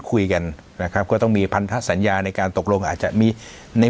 คุยกันนะครับก็ต้องมีพันธสัญญาในการตกลงอาจจะมีใน